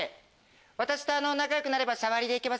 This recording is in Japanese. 私と仲良くなれば社割り行けます